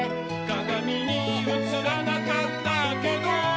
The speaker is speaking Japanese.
「かがみにうつらなかったけど」